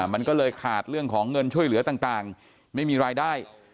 มันก็เลยขาดเรื่องของเงินช่วยเหลือต่างไม่มีรายได้